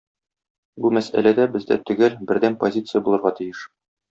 Бу мәсьәләдә бездә төгәл, бердәм позиция булырга тиеш.